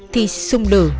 thì xung lử